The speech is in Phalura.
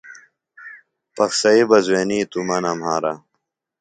پخسئی بہ زُوئینی توۡ مہ نہ مھارہ۔